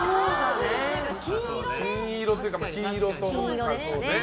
金色というか黄色というか。